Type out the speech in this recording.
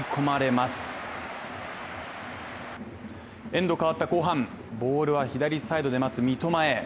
エンド変わった後半、ボールは左サイドで待つ三笘へ。